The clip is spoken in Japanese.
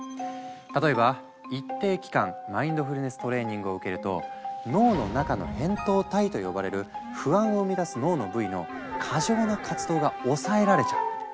例えば一定期間マインドフルネス・トレーニングを受けると脳の中の「扁桃体」と呼ばれる不安を生み出す脳の部位の過剰な活動が抑えられちゃう。